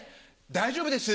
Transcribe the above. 大丈夫です。